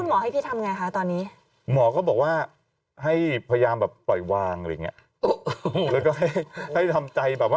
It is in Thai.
วิตกจริตไม่ใช่นะ